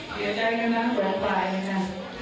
เกี่ยวใจกับน้ำฝนฝ่ายกันจ้ะ